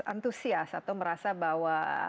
antusias atau merasa bahwa